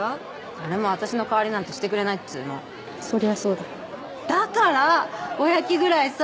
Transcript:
誰も私の代わりなんてしてくれないっつうのそりゃそうだだからおやきぐらいさ